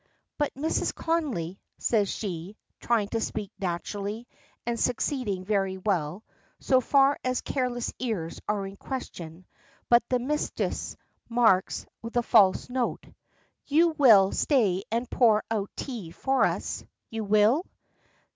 "But, Mrs. Connolly," says she, trying to speak naturally, and succeeding very well, so far as careless ears are in question, but the "misthress" marks the false note, "you will stay and pour out tea for us; you will?"